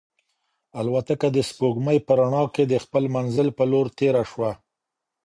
الوتکه د سپوږمۍ په رڼا کې د خپل منزل په لور تېره شوه.